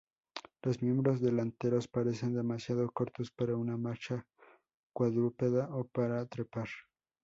Los miembros delanteros parecen demasiado cortos para una marcha cuadrúpeda o para trepar.